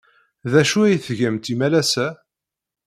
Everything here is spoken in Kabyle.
D acu ay tgamt imalas-a?